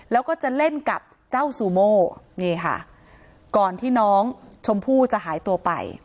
แล้วก็จะเล่นกับเจ้าซูโมนี่ค่ะก่อนที่น้องชมพู่จะหายตัวไป